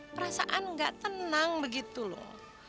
perasaan gak tenang begitu loh